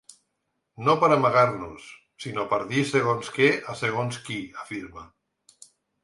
No per amagar-nos, sinó per dir segons què a segons qui, afirma.